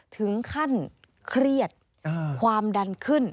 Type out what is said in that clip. ถึงขั้นเครียดความดันขึ้น